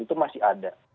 itu masih ada